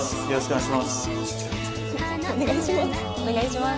お願いします。